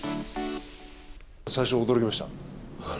最初は驚きました。